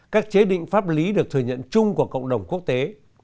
các chế định pháp lý được thừa nhận chung của cộng đồng quốc tế